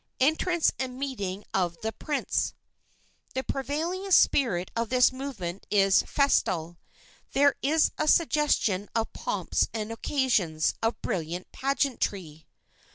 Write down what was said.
ENTRANCE AND MEETING OF THE PRINCE (The prevailing spirit of this movement is festal. There is a suggestion of pomps and occasions, of brilliant pageantry.)